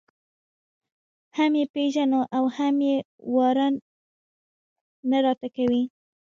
هم یې پېژنو او هم واره نه راته کوي.